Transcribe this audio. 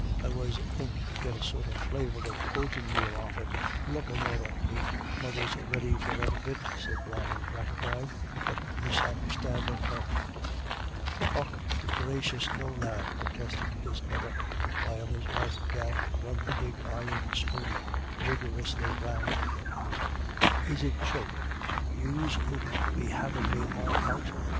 I was thinkin' to git a sort of flaviour of oaten male off of it" " Look a Norah, me mother's ready for another bit," said Brian, gratified, but misunderstanding her. " Och to gracious, no lad," protested his mother, while his wife began to run the big iron spoon vigorously round the pot "Is it choked yous 'ud be havin' me all out?"